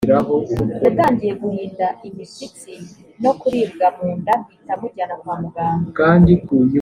yatangiye guhinda imishyitsi no kuribwa mu nda mpita mujyana kwa muganga